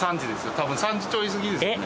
たぶん３時ちょい過ぎですよね。